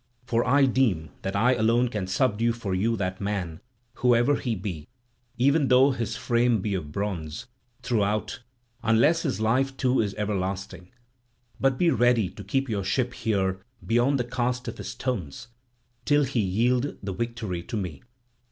For I deem that I alone can subdue for you that man, whoever he be, even though his frame be of bronze throughout, unless his life too is everlasting. But be ready to keep your ship here beyond the cast of his stones, till he yield the victory to me."